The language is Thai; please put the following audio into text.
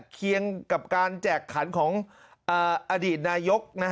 เคียงกับการแจกขันของอดีตนายก